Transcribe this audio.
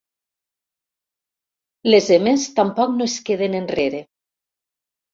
Les emes tampoc no es queden enrere.